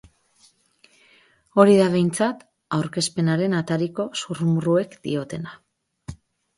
Hori da, behintzat, aurkezpenaren atariko zurrumurruek diotena.